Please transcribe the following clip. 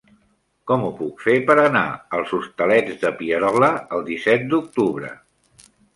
Com ho puc fer per anar als Hostalets de Pierola el disset d'octubre?